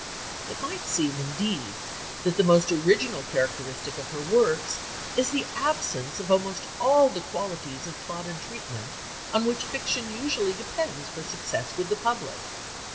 It might seem, indeed, that the most original characteristic of her works is the absence of almost all the qualities of plot and treatment on which fiction usually depends for success with the public.